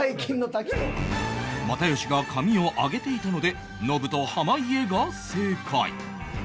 又吉が髪を上げていたのでノブと濱家が正解